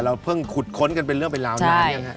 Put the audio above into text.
เราเพิ่งขุดค้นกันเป็นเรื่องเป็นราวเลย